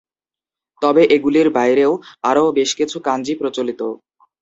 তবে এগুলির বাইরেও আরও বেশ কিছু কাঞ্জি প্রচলিত।